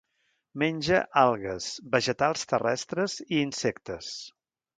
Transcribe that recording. Menja algues, vegetals terrestres i insectes.